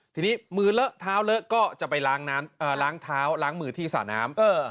ทีนี้มือเลอะท้าวเลอะก็จะไปล้างมือที่ส่าน้ำ